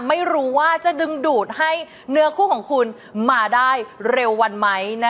ไม่รู้ว่าจะดึงดูดให้เนื้อคู่ของคุณมาได้เร็ววันไหม